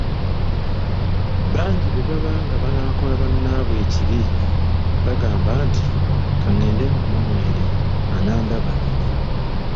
Bangi bwebaba nga banaakola bannaabwe ekibi bagamba nti, “Ka ngende ngumunywere, anandaba".